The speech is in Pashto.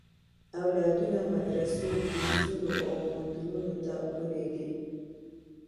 اولادونه مدرسو، کورسونو او پوهنتونونو ته ولېږي.